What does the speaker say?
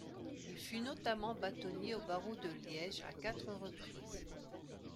Il fut notamment bâtonnier au barreau de Liège à quatre reprises.